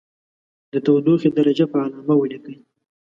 د تودوخې درجه په علامه ولیکئ.